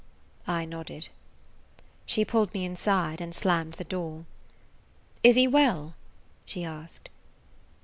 I nodded. She pulled me inside and slammed the door. "Is he well?" she asked.